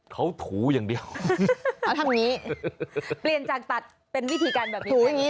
เปลี่ยนจากตัดเป็นวิธีการแบบนี้